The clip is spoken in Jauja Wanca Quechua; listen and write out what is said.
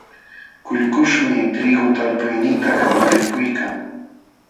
Kullkuśhmi triigu talpuyniita kamakaykuykan.